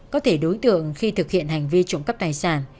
có thể đối tượng khi thực hiện hành vi trộm cắp tài sản